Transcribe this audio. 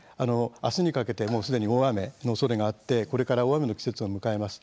あすにかけてもうすでに大雨のおそれがあってこれから大雨の季節を迎えます。